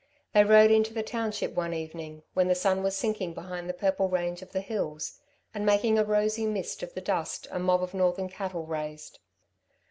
They rode into the township one evening when the sun was sinking behind the purple range of the hills and making a rosy mist of the dust a mob of northern cattle raised.